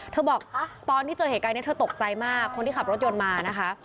บอกตอนที่เจอเหตุการณ์นี้เธอตกใจมากคนที่ขับรถยนต์มานะคะ